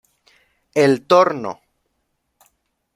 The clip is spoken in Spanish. El Torno.